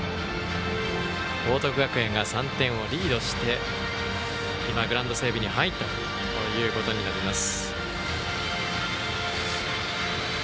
報徳学園が３点をリードして今、グラウンド整備に入っています。